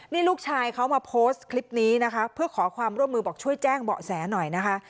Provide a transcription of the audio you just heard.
นี่ลูกชายเขามาโพสต์คลิปนี้นะคะเพื่อขอความร่วมมือบอกช่วยแจ้งเบาะแสหน่อยนะคะ